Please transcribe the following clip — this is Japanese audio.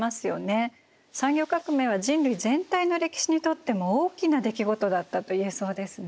産業革命は人類全体の歴史にとっても大きな出来事だったと言えそうですね。